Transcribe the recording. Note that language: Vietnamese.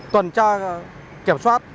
tuần tra kiểm soát